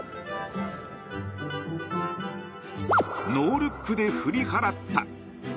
ノールックで振り払った。